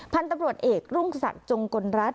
พันธุ์ตำรวจเอกรุ่งศักดิ์จงกลรัฐ